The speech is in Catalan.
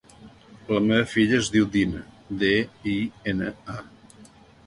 La meva filla es diu Dina: de, i, ena, a.